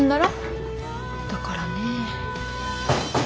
だからね。